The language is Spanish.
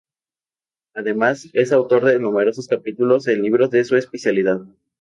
Además, es autor de numerosos capítulos en libros de su especialidad.